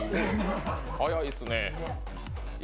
早いっすね。